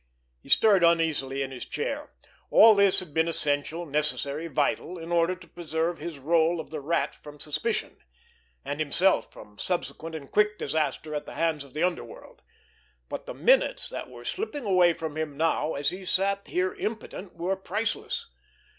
He stirred uneasily in his chair. All this had been essential, necessary, vital, in order to preserve his rôle of the Rat from suspicion, and himself from subsequent and quick disaster at the hands of the underworld; but the minutes that were slipping away from him now, as he sat here impotent, were priceless.